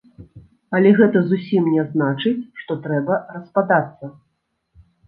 Але гэта зусім не значыць, што трэба распадацца.